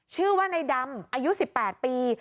ชื่อว่าในดำอายุ๑๘ปี